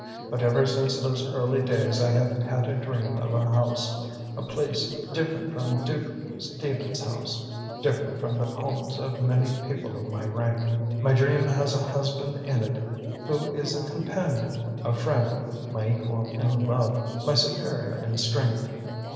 But ever since those early days I have had a dream of a home a place different from Duke Stephen's home, different from the homes of many people of my rank. My dream has a husband in it who is a companion, a friend, my equal in love, my superior in strength."